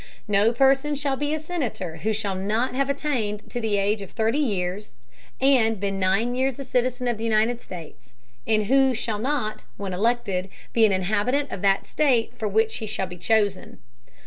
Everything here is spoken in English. No Person shall be a Senator who shall not have attained to the Age of thirty Years, and been nine Years a Citizen of the United States, and who shall not, when elected, be an Inhabitant of that State for which he shall be chosen.